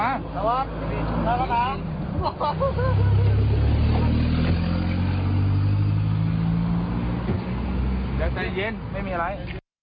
ยังใจเย็นไม่มีอะไร